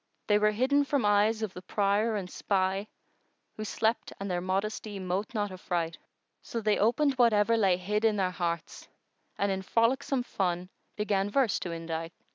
They were hidden from eyes of the prier and spy * Who slept and their modesty mote not affright; So they opened whatever lay hid in their hearts * And in frolicsome fun began verse to indite.